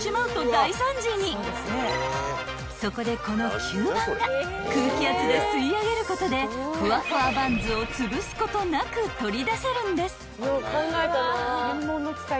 ［そこでこの吸盤が空気圧で吸い上げることでふわふわバンズをつぶすことなく取り出せるんです］